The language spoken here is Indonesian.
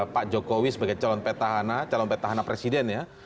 pak jokowi sebagai calon petahana calon petahana presiden ya